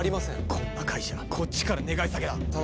こんな会社こっちから願い下げだ！